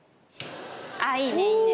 あいいねいいね。